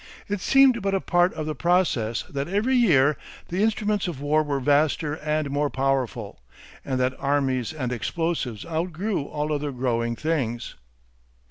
It seemed but a part of the process that every year the instruments of war were vaster and more powerful, and that armies and explosives outgrew all other growing things....